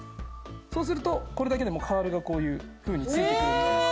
そうするとこれだけでもうカールがこういうふうに付いてくるので。